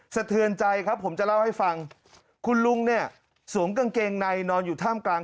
สะเทือนใจครับผมจะเล่าให้ฟังคุณลุงเนี่ยสวมกางเกงในนอนอยู่ท่ามกลาง